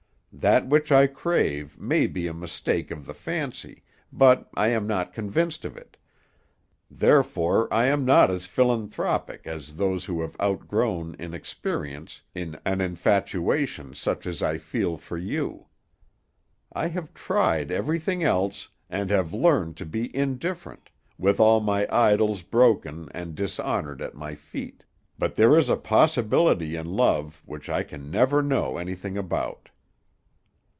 That which I crave may be a mistake of the fancy, but I am not convinced of it; therefore I am not as philanthropic as those who have outgrown in experience an infatuation such as I feel for you. I have tried everything else, and have learned to be indifferent, with all my idols broken and dishonored at my feet; but there is a possibility in love which I can never know anything about."